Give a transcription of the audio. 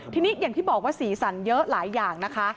ทีนี้อย่างที่บอกว่าสีสันเยอะหลายอย่างนะคะ